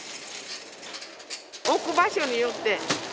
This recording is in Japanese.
置く場所によって。